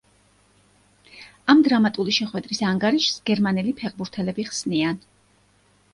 ამ დრამატული შეხვედრის ანგარიშს გერმანელი ფეხბურთელები ხსნიან.